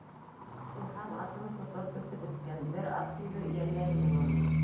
Илһам атын тотор көсө бөткән, Бер ат йөгө — йәлләйем мин уны.